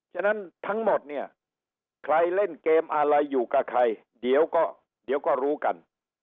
ฉะนั้นทั้งหมดเนี่ยใครเล่นเกมอะไรอยู่กับใครเดี๋ยวก็เดี๋ยวก็รู้กัน